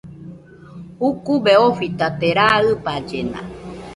Ukube ofitate raa ɨballena